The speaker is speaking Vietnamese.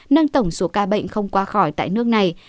nâng tổng số ca bệnh không qua khỏi tại nước này